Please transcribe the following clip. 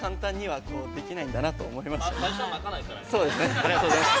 ありがとうございます。